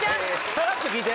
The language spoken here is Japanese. さらっと聞いて。